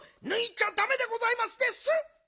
ぬいちゃダメでございますです！